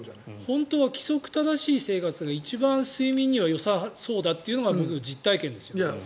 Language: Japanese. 本当は規則正しい生活が一番、睡眠にはよさそうだというのが僕の実体験ですよ。